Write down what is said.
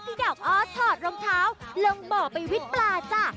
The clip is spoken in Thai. ดอกอ้อถอดรองเท้าลงบ่อไปวิทย์ปลาจ้ะ